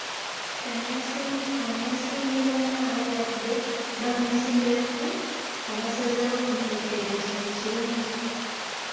Ono yasiimye banne ababadde bamwesimbyeko abasazeewo okumulekera nti kino kirungi.